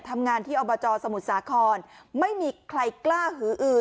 ทำงานที่อบจสมุทรสาครไม่มีใครกล้าหืออือ